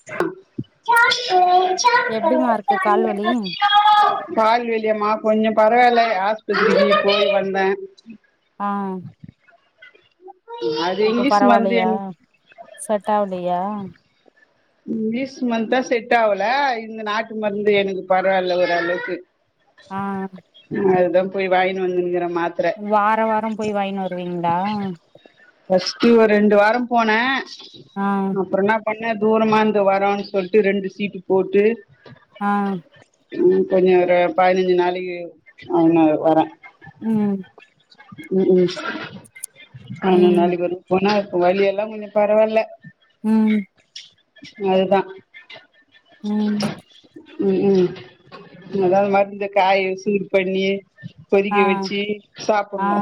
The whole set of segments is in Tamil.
[unintelligible] எப்டிமா இருக்கு கால்வலி கால்வலியம்மா கொஞ்ச பரவாயில்ல ஆஸ்பத்திரிக்கு போய் வந்தே ஆ அது இப்ப இங்கிலீஷ் மருந்து பரவாயில்லையா எனக்கு செட்ட அவலையா இங்கீலிஸ் மருந்து தா செட் ஆவல இந்த நாட்டு மருந்து எனக்கு பரவாயில்ல ஒரு அளவுக்கு ஆ அதுதா போய் வாங்கனு வந்துங்கிற மாத்ர வாரம் வாரம் போய் வாங்கனு வருவீங்களா பஸ்டு ஒரு ரெண்டு வாரம் போனே ஆ அப்பற நா பண்ண தூரமா இருந்து வரான்னு சொல்லிட்டு ரெண்டு சீட்டு போட்டு ஆ ம் கொஞ்ச ஒரு பதினஞ்சு நாளைக்கு அவன்னு வரான் ம் ம் ம் பய்னஞ்சு ம் நாளைக்கு ஒருக போனாவலி எல்லா கொஞ்ச பரவாயில்ல ம் அதுதா ம் ம் ம் அதா மருந்த காய சூட் பண்ணி ஆ கொதிக்க வெச்சி ஆ சாப்ட்ணு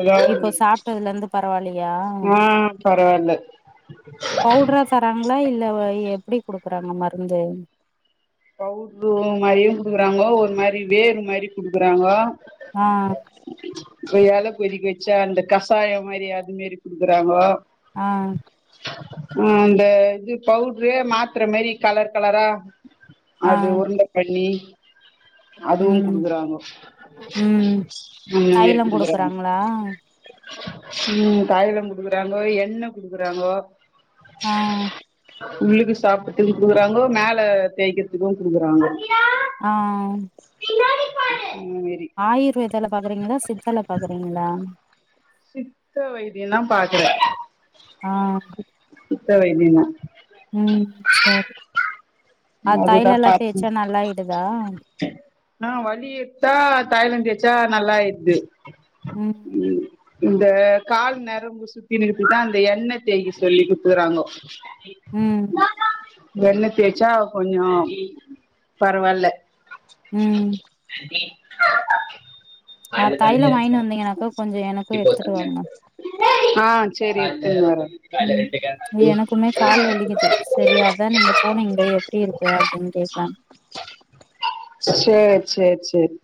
அதா ஒண்ணு ட்டதுல இருந்து பரவாயில்லையா பரவால்ல பவுடரா தராங்களா இல்ல எப்டி குடுக்குறாங்க மருந்து பவுட்ரு மாரியும் குடுக்றாங்கோ ஒரு மாரி வேர் மாரி குடுக்றாங்கோ ஆ தீயால கொதிக்க வச்சா அந்த கசாயம் மாரி அதுமரி குடுக்றாங்கோ ஆங் அந்த இது பவுட்ரு மாத்ர மாரி கலர் கலரா ஆ அது உருண்ட பண்ணி [inaudible] அதுவும் ம் குடுக்றாங்கோ ம் இந்த மாரி தைலம் குடுக்றாங்கோ குடுக்குறாங்களா ம் தைலம் குடுக்றாங்கோ எண்ண குடுக்றாங்கோ ஆ உள்ளுக்கு சாப்றதுகும் குடுக்றாங்கோ மேல தேய்கத்துக்கும் குடுக்றாங்கோ ஆ சேரி ஆயுர்வேதால பாக்றீங்களா சித்தால பாக்றிங்களா சித்த வைதியம் தா பாக்றேன் ஆ சித்த வைதியம் தா உம் சரி அ அதுதா தையலல்லா பாத்து தேய்ச்சா நல்லா ஆயிடுதா ஆ வலி எடுத்தா தையலம் தேச்சா நல்லாயிட்து உம் உம் இந்த கால் நரம்பு சுத்தினு இருக்கத்துகு தா அந்த எண்ணெ தேய்க சொல்லி குத்துகிறாங்கோ ம் எண்ண தேச்சா கொஞ்ச பரவால்ல உம் நீ ஆ அது தண்ணியா தைலம் இருக்கு வாங்கினு வந்தீங்கன்னாக்கா கொஞ்சோ எனக்கு இப்போ எடுத்துட்டு தண்ணியா வாங்க ஆ சரி எடுதுனு வரோம் ம் எனக்குமே கால் வலிக்குது சரி அதா நீங்க போனீங்கலே எப்டி இருக்கு அப்டின்னு கேக்லான்னு சேரி சசேரி சேரி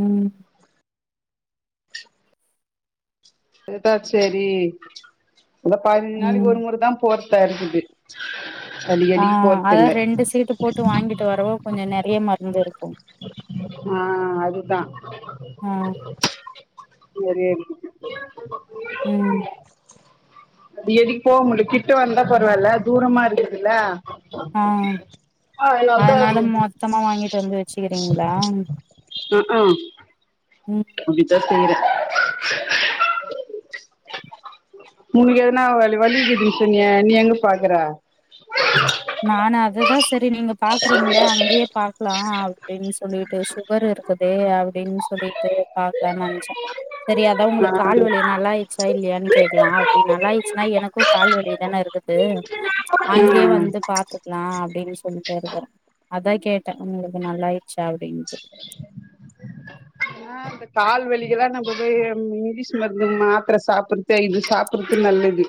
உம் இருந்தா சரி பதினஞ்சு ம் நாளைக்கு ஒரு முறை தா [unintelligible] ஆ அதாவது ரெண்டு சீட்டு போட்டு வாங்கிட்டு வரவோ கொஞ்ச நறைய மருந்து இருக்கும் ஆ அதுதான் அ [inaudible] [unintelligible] ம் அடிக்கடிக் போ முடியல கிட்டவ இருந்தா பரவால்ல தூரமா இருக்குதுல்ல [unintelligible] ஆ சம்மா வாங்கிட்டு வந்து வச்சிகிறீங்களா ம்க்கூம் உம் அப்டி தா செய்ற உணுக்கு எதனா வலிக்குதுன்னு சென்னிய நீ எங்க பாக்குற நானா அதுதா சரி நீங்க பாக்றீங்களே அங்கேயே பாக்லா அப்டின் சொல்லிட்டு சுகர் இருக்குதே அப்டின் சொல்லிட்டு பாக்லான் நென்ச்சே செரி அதா உங்ளுக் கால்வலி நல்லாயிர்ச்சா இல்லையான் கேக்கலா அப்டின் நல்லாயிர்ச்சுன்னா எனக்கு கால்வலி தான இருக்கு து அங்கயே ம் வந்து பாத்துக்கலா அப்டின் சொல்ட்டு இருக்கறே அதா கேட்டே உங்களுக்கு நல்லாயிர்ச்சா அப்டின்ட்டு [inaudible] அ இந்த கால்வலிக்கெல்லா நம்ப பே ம் இங்லீஷ் மருந்து மாத்தர சாப்பட்றத்தே இது சாப்பட்றத்து நல்லது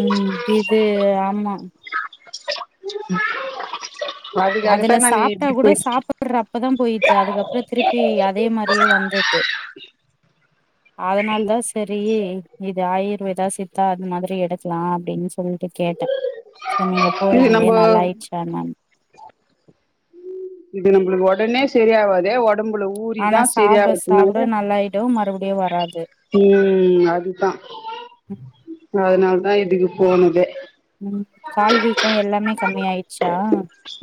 ம் இது ஆமா அதுக்காக தா நானு இப்டி போய்ட் ர் அப்பதா போயிட்து அதுக்கப்றோ திருப்பி அதே மாரியே வந்துர்து அதனால் தா செரி இது ஆயுர்வேதா, சித் தா அது மாதிரி எடுக்லா அப்டின் சொல்ட்டு கேட்டே சேரி நீங்க இது போறீங்ளே நம்ப நல்லாய்ர்ச்சா என்னன் இது நம்பளுக் ஒடனே சரியாவாது ஒ டம்புல ஆனா ஊறிதா சாப்ட சாப்ட செரியாவுன்னம்போது நல்லாயிடு மறுபடியு வராது ம் அது தா அதனால் இதுக்கு போனதே ம் கால் வீக் கமே கம்மியாயிர்ச்சா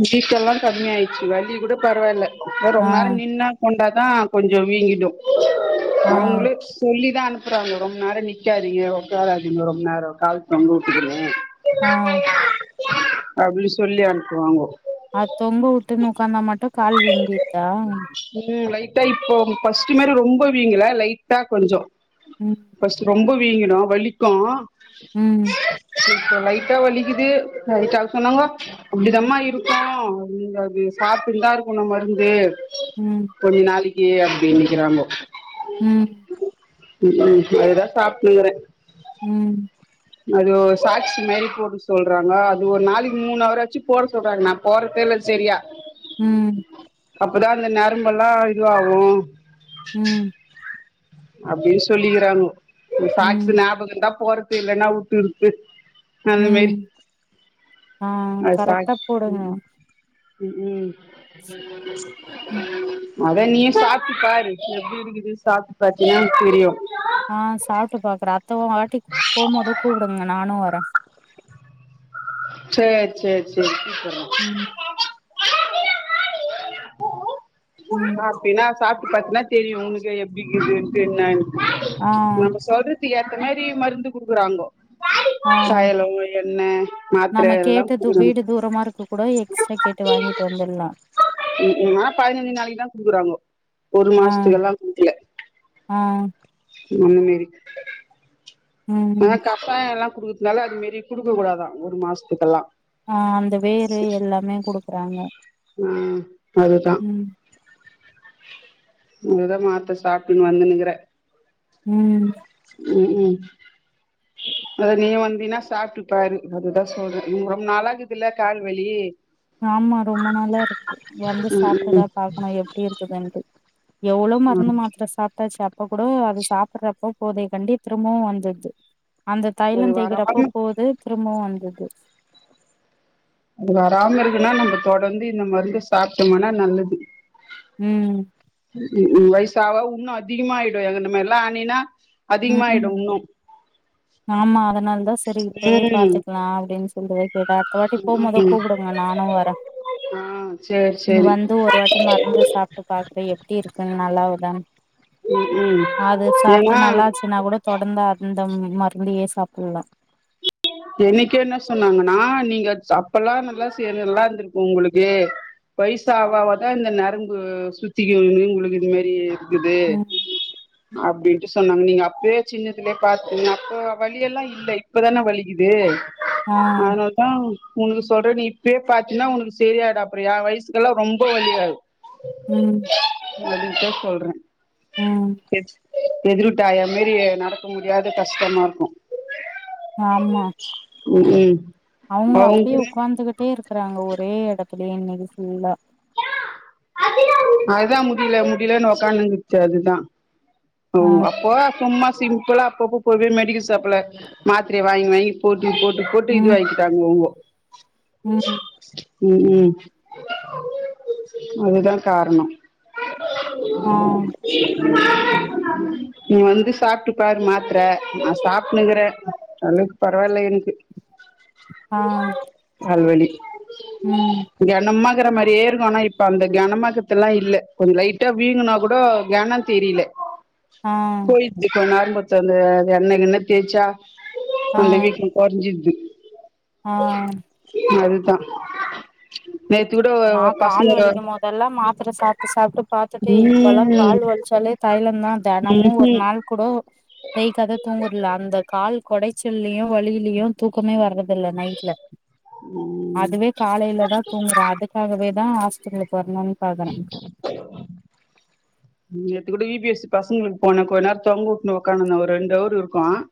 வீக்கோல்லா கம்மியாயிர்ச்சு வலி கூட பரவால்ல ஆனா ஆ ரொம் நேரோ நின்னா கொண்டா தா கொஞ்சோ வீங்கிடு ஆ அவுங்ளே சொல்லிதா அனுப்பறாங்க ரொம் நேரோ நிக்காதீங்க ஒக்காராதீங்க ரொம் நேரோ கால் தொங்கவுட்டுகினு ஆ அப்டினு சொல்லி அனுப்புவாங்கோ அது தொங்கவுட்டுனு ஒக்காந்தா மட்டு கால் வீங்கிர்தா ம் லைட்டா இப்போ ஃபஸ்ட்டு மாரி ரொம்ப வீங்கல லைட்டா கொஞ்சோ ம் ஃபஸ்ட்டு ரொம்ப வீங்கிரு வலிக்கு ம் இப்ப லைட்டா வலிக்கிது வலிச்சா சொன்னாங்கோ அப்டிதம்மா இருக்கு அது நீங்க அது சாப்ட்டுட் தா இருக்கணு மருந்து ம் கொஞ்ச நாளைக்கு அப்டிங்கறாங்கோ ம் ம் ஏதோ சாப்ட்டுகறே ம் எதோ சாக்ஸு மாரி போட சொல்றாங்க அது ஒரு நாளைக் மூண் அவராச்சு போட சொல்றாங் நா போட்றத்தே இல்ல செரியா ம் அப்பதா அந்த நரம்பெல்லா இதுவாகு ம் அப்டின் சொல்லிகிறாங்கோ அந் ம் சாக்ஸு ஞாபகோ இர்ந்தா போட்றத்து இல்லேனா உட்டுர்து அந்த ம் மேரி ஆ அது கரெக்டா சாக்ஸ் [inaudible] போடுங்க ம் ம் ம் அதா நீயு சாப்ட்டுப்பாரு எப்டி இருக்குது சாப்ட்டு பாத்தீனா உனக் தெரியு ஆ சாப்ட்டு பாக்கறே அத்த வாட்டி போம்போது கூப்டுங்க நானு வரே சேர் சேர் சேரி கூப்பட்றே ம் ம் அப்டின்னா சாப்பிட்டு பாத்தீன்னா தெரியு உனக்கு எப்டிக்கீதுன்டு என்ன ஆ நம்ப சொல்ற துக்கு ஏத்த மாரி மருந்து குடுக்குறாங்கோ [inaudible] ஆ தைலோ எண்ண மாத்திர நம்ம எல்லா கேட்டது குடுக்குறாங்க வீடு தூரமா இருக்க கூட எக்ஸ்ட்ரா கே ட்டு வாங்கிட்டு வந்தர்லா மா பதினஞ்சு நாளைக்கு தா குடுக்குறாங்கோ ஒரு ஆ மாசத்துக்கு எல்லா குடுக்கல ஆ அந்தமேறி ஆனா ம் கசாய எல்லா குடுக்கதுனால அது மாரி குடுக்க கூடாதா ஒரு மாசத்துக்கெல்லா ஆ அந்த வேரு எல்லாமே குடுக்குறாங்க ஆ அது தா ம் அது தா மாத்த சாப்டுன்னு வந்துனுங்குறே ம் ம் ம் அதா நீ வந்தீனா சாப்ட்டு பாரு அதுதா சொல்றே ம் ரொம்ப நாளாகுதுல கால்வலி ஆமா ரொம்ப நாளா இருக்கு வந்து ம் சாப்ட்டுதா ம் பாக்கணு எப்டி இருக்குதுன்ட்டு எவ்ளோ ஆமா மருந்து மாத்தர சாப்ட்டாச்சு அப் அப்ப கூட அது சாப்பிடுறப்ப போதைய கண்டி திரும்பவு வந்துருது அந்த தைல அது தேக்கிற அப்ப வராம போது திரும்பவு வந்துர்து அது வராம இருக்குன்னா நம்ப தொடர்ந்து இந்த மருந்து சாப்ட்டோமானா நல்லது ம் உ வயசாவ உன்னு அதிகமாயிடு எங்க நம்ம எல்லா ஆனினா ம் ம் அதிகமாயிடு உன்னு ஆமா அதனால தா சரி இப்பவே ம் பாத்துக்கலா அப்டின்னு சொல்ற வை [unintelligible] அடுத்த வாட்டி போகும்போது ம் கூப்பிடுங்க நானு வரே ஆ சேரி ங்க சேரி வந்து ஒரு வாட்டி மருந்து சாப் ட்டு பாக்குறே எப்டி இருக்குன்னு நல்லாவுதானு ம் ம் அது சாப்பிட்டு ஏன்னா நல்லா இச்சுன்னா கூட தொடர்ந்து அந்த மருந்தையே சாப்பிடலா எனைக்கி என்ன சொன்னாங்கன்னா நீங்க ஸ் அப்பல்லா நல்லா ச நல்லா இருந்திருக்கு உங்களுக்கு வயசு ஆவா ஆவதா இந்த நரம்பு சுத்திக்கு உங்களுக்கு இது மாரி க்குது ம் அப்டின்ட்டு சொன்னாங்க நீங்க அப்பயே சின்னதுலயே பாத்தீங்க அப்ப வலி எல்லா இல்ல இப்ப தானே வலி க்கிது ஆ அதுனால தா உனக்கு சொல்றே நீ இப்பே பாத்தீன்னா உனக்கு சரியாடு அப்புற என் வயசுக்கெல்லா ரொம்ப வலியாகு ம் ம் அதுக்கு தா சொல்றே ம் [unintelligible] எதிர் வீட்டு ஆயா மாரி நடக்க முடியாத கஷ்டமா இருக்கு ஆமா ம் ம் அவங்க அவங்களுக்கு அப்டியேஒக்காந்துகிட்டே இருக்குறாங்க ஒரே எடத்துலயே இன்னைக்கு ஃபுல்லா அதா முடில முடிலன்னு ஒக்காந்துதுச்சு அதுதா ஆ அவுங்க அப்போ சும்மா சிம்பிளா அப்பப்ப போய் போய் மெடிக்கல் ஷாப்ல மாத்திரைய வாங்கி வாங்கி போட்டு போட்டு போட்டு இது ம் வாக்கிட்டாங்க இவங்கோ ம் ம் ம் அதுதான் காரணம் ஹம் நீ வந்து சாப்பிட்டு பாரு மாத்தரை நான் சாப்டுட்னுக்றேன் ஓரளவுக்கு பரவாயில்ல எனக்கு ஆ பல்வலி ம் கனமாங்கிற மாரியே இருக்கும் ஆனாப் இப்ப அந்த கனமாக்கத்தெல்லாம் இல்ல கொஞ்ச லைட்டா வீங்குனா கூட கனம் தெரில ஆ போய்டுச்சு கொஞ்ச ஆரம்பத்துல அந்த எண்ணெய் கின்னா தேய்ச்சா ஆ அந்த வீக்க கொறஞ்சிடுது ஆ அதுதான் நேத்துக் கூட நா பச கால் வலிக்கிம் போதெல்லாம் மாத்திரை சாப்ட்டு சாப்ட்டு பாத்துட்டு இப்போல்லாம் ம் கால் வலிச்சாலே தைலந்தான் தெனமும் ஒரு ம்ஹும் நாள் கூட தேய்க்காத தூங்கறல அந்த கால் கொடச்சலயும் வலியிலயும் தூக்கமே வர்றது இல்ல நைட்ல ம் அதுவே காலைல தான் தூங்குறேன் அது அதுக்காகவே தான் ஹாஸ்பிடலுக்கு வரணும்ன்னு பாக்குறேன் நேத்து கூட இ பி எஸ் பசங்களுக்கு போனேன் கொஞ்ச நேரத்துல தொங்க உட்னு ஒக்காந்த்திருந்தேன் ஒரு ரெண்டு ஹவர் இருக்கும் அஹ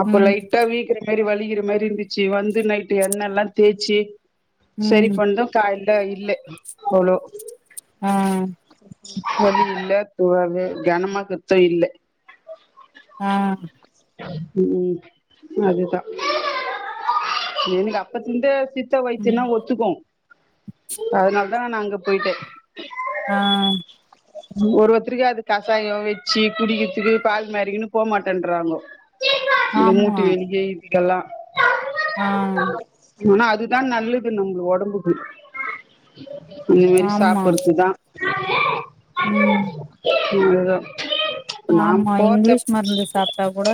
அப்ப ம் லைட்டா வீக்க இது மாரி வலிக்கிற மாரி இருந்துச்சு வந்து நைட்டு எண்ணெல்லாம் தேய்ச்சி சரி ம் பண்ணி கால்ல இல்ல அவ்ளோ ஆ வலி இல்ல அஹ கனமாக்கதும் இல்ல ஆ ம் அதுதான் எனக்கு அப்பத்தில இருந்து சித்த வைத்தியம்ன்னா ம் ஒத்துக்கும் அதனால தான் நான் அங்க போயிடுறது ஆ ஒரு ஒருத்தருக்கு அது கசாயம் வச்சு குடிக்கிறதுக்கு பால் மாரிக்கினு போ மாட்டேன்றாங்கோ இந்த ஆமா மூட்டு வலிக்கு இதுக்கல்லாம் ஆ ஆனா அதுதான் நல்லது நம்மளுக்கு ஒடம்புக்கு எல்லாம் இந்த மாரி ஆமா சாப்படுறது தான் ம் அதுதான் ஆமா இங்கிலீஷ் மருந்து சாப்ட்டா கூட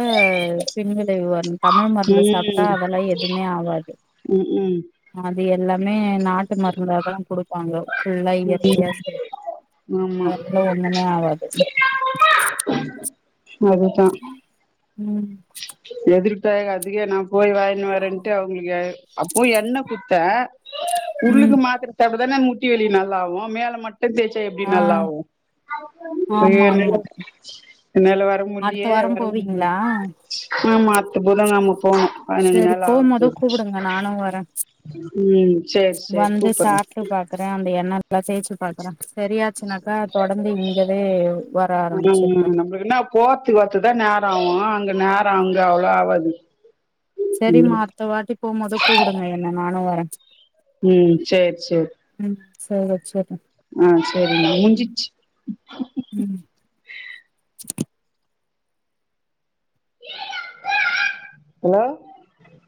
பின்விளைவு வருது தமிழ் மருந்து சாப்ட்டா ம் அதெல்லா எதுமே ஆகாது ம் ஹும் அது எல்லாமே நாட்டு மருந்தா தான் குடுப்பா பாங்க ஃபுல்லா ம் இயற்கையா செய்றது ஆமா அதனால ஒண்ணுமே ஆகாது உ அதுதா ம் எதிர்ப்ப அதுக்கே நா போயி வாயினு வரன்ட்டு அவுங்களுக்கா அப்போ எண்ணெ குத்த ம் உள்ளுக்கு மாத்ர சாப்டாதானே முட்டி வெலி நல்லாவு மேல மட் டுந்தேச்சா எப்டி ஆ நல்லாவூ ஆமா எ ஆமா மேலே தேச்சி என்னால வர அடுத்த முல்லியே வாரம் வர முடில போவீங்களா ஆமா அடுத்த புத கெழம போனூ பதினஞ்சி சரி நாள் போம்போது ஆவபோது கூப்புடுங்க நானு வரே ம் செர் செரி கூப்பற்றே ட்டு பாக்குறே அந்த எண்ணெ நல்லா தேச்சு பாக்குறே சரியாச்சுனாக்கா தொடர்ந்து இங்கவே வர ம் ஆரம்பிச்சிருவே ம் நம்புளுக்கு என்னா போர்த்துக் வர்த்துக்தா நேரோ ஆவூ அங்க நேரோ ஆ அங்க அவ்ளோ ஆவாது சரிம்மா ம் அடுத்த வாட்டி போம்போது கூப்பிடுங்க என்ன நானூ வரே ம் சேர் சேர் ம் சேர் வெச்சிற்றே ஆ சேரிமா முஞ்சிச்சி ம் ஹலோ